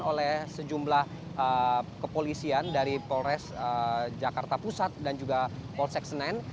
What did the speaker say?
oleh sejumlah kepolisian dari polres jakarta pusat dan juga polsek senen